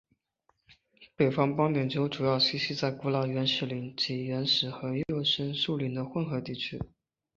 北方斑点鸮主要栖息在古老原始林及原始和幼生树林的混合地区。